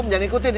jangan ikutin ya